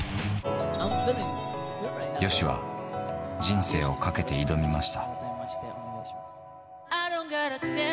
ＹＯＳＨＩは、人生をかけて挑みました。